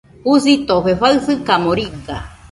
Jusitofe faɨsɨkamo riga.